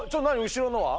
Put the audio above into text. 後ろのは。